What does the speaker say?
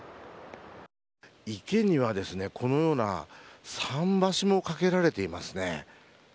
池には、このような桟橋も架けられていますね。